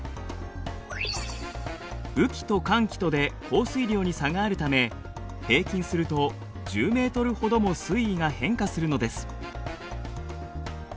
雨季と乾季とで降水量に差があるため平均すると１０ｍほども水位が変化するのです。